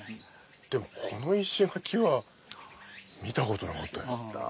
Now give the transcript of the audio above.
でもこの石垣は見たことなかったです。